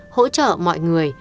hỗ trợ mọi chuyện